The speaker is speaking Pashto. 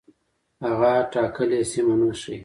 هغه ټاکلې سیمه نه ښيي.